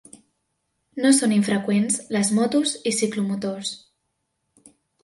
No són infreqüents les motos i ciclomotors.